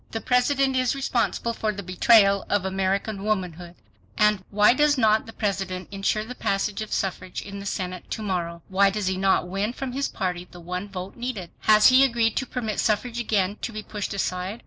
THE PRESIDENT IS RESPONSIBLE FOR THE BETRAYAL OF AMERICAN WOMANHOOD. And— WHY DOES NOT THE PRESIDENT INSURE THE PASSAGE OF SUFFRAGE IN THE SENATE TO MORROW? WHY DOES HE NOT WIN FROM HIS PARTY THE ONE VOTE NEEDED? HAS HE AGREED TO PERMIT SUFFRAGE AGAIN TO BE PUSHED ASIDE?